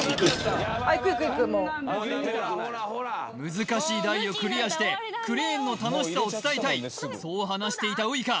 難しい台をクリアしてクレーンの楽しさを伝えたいそう話していたウイカ